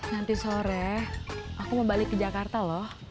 nanti sore aku mau balik ke jakarta loh